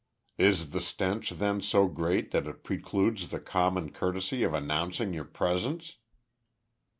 "Is the stench then so great that it precludes the common courtesy of announcing your presence?"